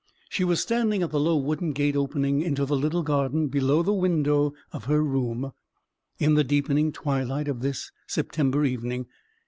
She was standing at the low wooden gate opening into the little garden below the window of her room, in the deepening twilight of this September evening.